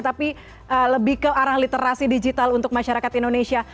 tapi lebih ke arah literasi digital untuk masyarakat indonesia